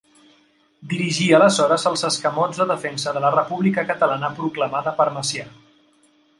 Dirigí aleshores els escamots de defensa de la República Catalana proclamada per Macià.